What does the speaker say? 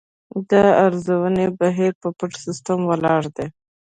د ارزونې بهیر په پټ سیستم ولاړ دی.